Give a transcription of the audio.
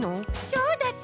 そうだった！